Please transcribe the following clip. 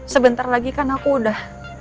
sebentar lagi kan aku udah